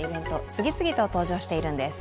次々と登場しているんです。